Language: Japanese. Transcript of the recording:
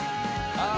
「ああ。